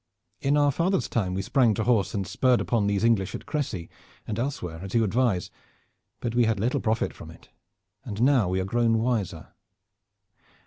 In our father's time we sprang to horse and spurred upon these English at Crecy and elsewhere as you advise, but we had little profit from it, and now we are grown wiser.